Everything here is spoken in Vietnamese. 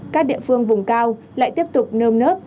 các địa phương vùng cao lại tiếp tục nơm nớp